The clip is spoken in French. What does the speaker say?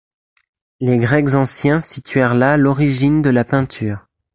Les grecs anciens situèrent là l'origine de la peinture.